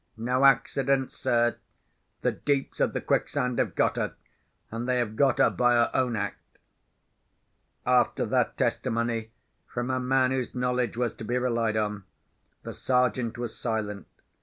No accident, sir! The Deeps of the Quicksand have got her. And they have got her by her own act." After that testimony from a man whose knowledge was to be relied on, the Sergeant was silent.